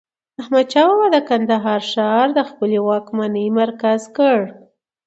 احمد شاه بابا د کندهار ښار د خپلي واکمنۍ مرکز کړ.